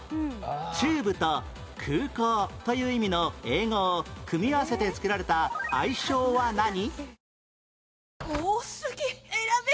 「中部」と「空港」という意味の英語を組み合わせて作られた愛称は何？